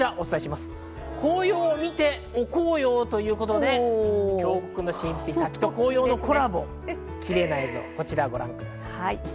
紅葉を見ておこうようということで峡谷の神秘と紅葉のコラボ、キレイな映像をご覧ください。